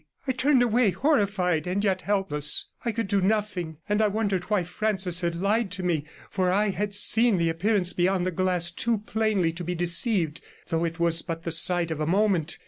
I turned away, horrified, and yet helpless. I could do nothing, and I wondered why Francis had lied to me, for I had seen the appearance beyond the glass too plainly to be deceived, though it was but the sight of a moment.